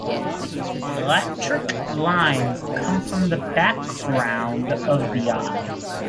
Electric lines come from the background of the eye.